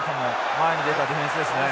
前に出たディフェンスですね。